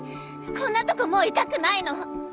こんなとこもういたくないの。